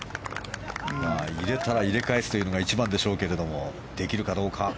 入れたら入れ返すのが一番でしょうけれどもできるかどうか。